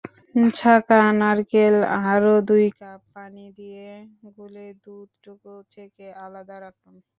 ছাঁকা নারকেল আরও দুই কাপ পানি দিয়ে গুলে দুধটুকু ছেঁকে আলাদা রাখুন।